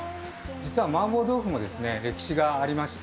実は麻婆豆腐も歴史がありまして。